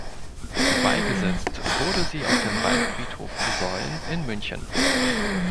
Beigesetzt wurde sie auf dem Waldfriedhof Solln in München.